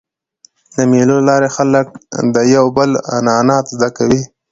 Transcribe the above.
د مېلو له لاري خلک د یو بل عنعنات زده کوي.